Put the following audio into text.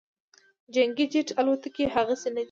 جنګي جیټ الوتکې هغسې نه دي